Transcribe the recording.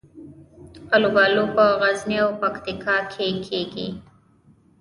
الوبالو په غزني او پکتیکا کې کیږي